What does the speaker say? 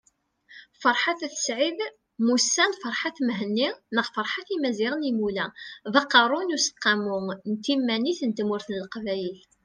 Ferḥat At Said mmusan Ferhat Mehenni neɣ Ferhat Imazighen Imula, d Aqerru n Umussu n Timanit n Tmurt n Leqbayel